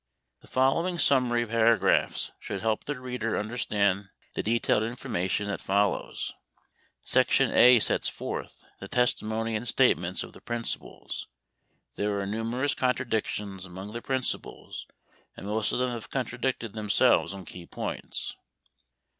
The following summary paragraphs should help the reader under stand the detailed information that follows : Section A sets forth the testimony and statements of the prin cipals. There are numerous contradictions among the principals, and most of them have contradicted themselves on key points.